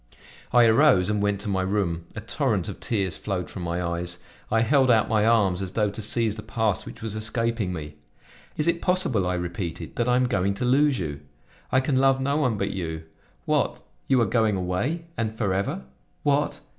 I arose, and went to my room; a torrent of tears flowed from my eyes. I held out my arms as though to seize the past which was escaping me. "Is it possible," I repeated, "that I am going to lose you? I can love no one but you. What! you are going away? And forever? What!